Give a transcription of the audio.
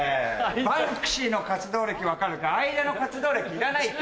バンクシーの活動歴分かるけど相田の活動歴いらないって。